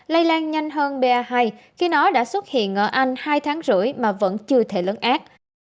lây lan nhanh hơn ba hai khi nó đã xuất hiện ở anh hai tháng rưỡi mà vẫn chưa thể lớn ác